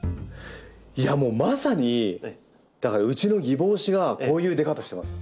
いやもうまさにだからうちのギボウシがこういう出方してますよ。